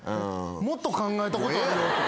もっと考えたことあるよって方。